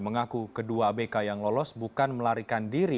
mengaku kedua abk yang lolos bukan melarikan diri